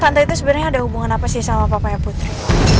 santai itu sebenarnya ada hubungan apa sih sama papanya putri